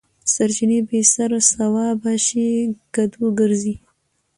ـ سر چې بې سر سوابه شي کدو ګرځي.